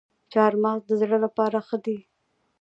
چهارمغز د زړه لپاره ښه دي